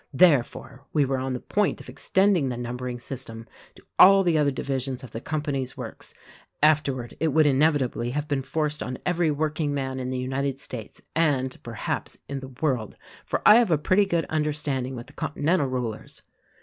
Therefore we were on the point of extending the number ing system to all the other divisions of the company's works; afterward it would inevitably have been forced on every workingman in the United States and, perhaps, in the world — for I have a pretty good understanding with the continental rulers."